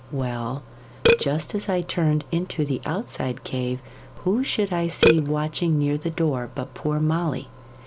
Well, just as I turned into the outside cave, who should I see watching near the door but poor Molly.